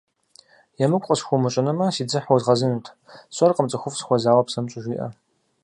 ЕмыкӀу къысхуумыщӀынумэ, си дзыхь уэзгъэзынут, сщӀэркъым цӀыхуфӀ сыхуэзауэ псэм щӀыжиӀэр.